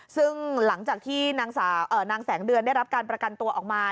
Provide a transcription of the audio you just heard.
ซึ่งหลังจากที่นางแสงเดือนได้รับการประกันตัวออกมา